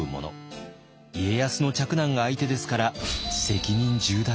家康の嫡男が相手ですから責任重大です。